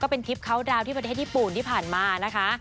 เป็นทริปเขาดาวน์ที่ประเทศญี่ปุ่นที่ผ่านมานะคะ